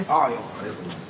ありがとうございます。